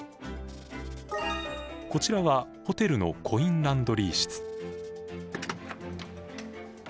こちらはホテルのコインランドリー室。